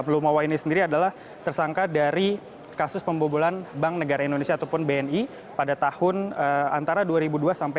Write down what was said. lumawa ini sendiri adalah tersangka dari kasus pembobolan bank negara indonesia ataupun bni pada tahun antara dua ribu dua sampai dua ribu dua